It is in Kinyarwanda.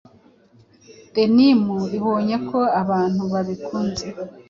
Denim ibonye ko abantu babikunze